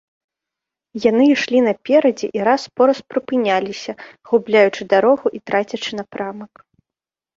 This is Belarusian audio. Яны ішлі наперадзе і раз-пораз прыпыняліся, губляючы дарогу і трацячы напрамак.